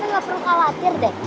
tante gak perlu khawatir deh